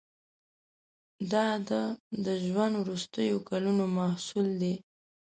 دا د ده ژوند وروستیو کلونو محصول دی.